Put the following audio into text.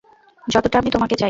যতটা আমি তোমাকে চাই।